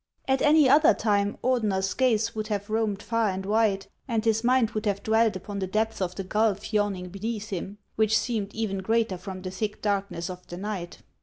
At any other time, Ordener's gaze would have roamed far and wide, and his mind would have dwelt upon the depth of the gulf yawning beneath him, which seemed even greater from the thick darkness of the night.